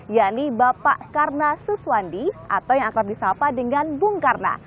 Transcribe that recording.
yakni bapak karna suswandi atau yang akrab disapa dengan bung karno